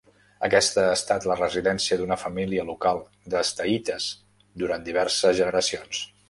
Aquesta ha estat la residència d'una família local de Staithes durant diverses generacions.